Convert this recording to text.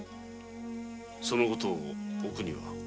その事をお邦は？